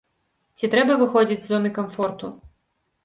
Ці трэба выходзіць з зоны камфорту?